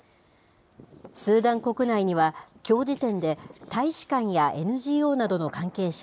スーダン国内には、きょう時点で、大使館やＮＧＯなどの関係者